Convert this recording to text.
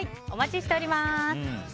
お待ちしております。